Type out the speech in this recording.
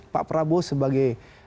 pak prabowo sebagai